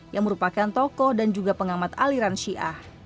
yang merupakan tokoh dan juga pengamat aliran syiah